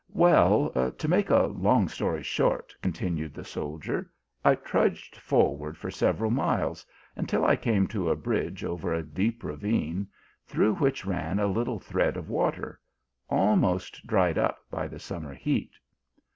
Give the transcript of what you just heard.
" Well, to make a long story short," continued the soldier, " I trudged forward for several miles, until I came to a bridge over a deep ravine, through which ran a little thread of water, almost dried up by the summer heat.